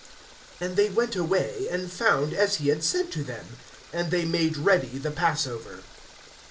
(13)And they went away, and found as he had said to them. And they made ready the passover.